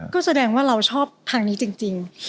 ก็แสดงว่าเราชอบทางนี้จริง